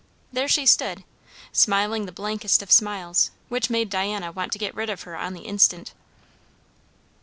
There she stood, smiling the blankest of smiles, which made Diana want to get rid of her on the instant.